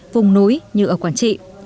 vùng núi như ở quảng trị